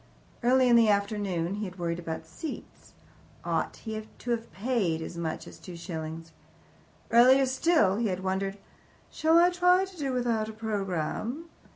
Earlier in the afternoon he had worried about seats. Ought he to have paid as much as two shillings? Earlier still he had wondered, "Shall I try to do without a programme?"